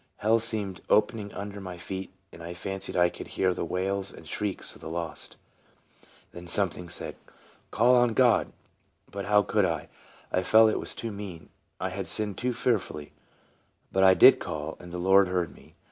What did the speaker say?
Hell seemed opening under my feet, and I fancied I could hear the wails and shrieks of the lost. Then something said, ANOTHER NARROW ESCAPE. 45 " Call on God." But how could I ? I felt it was too mean ; I had sinned too fearfully But I did call, and the Lord heard me.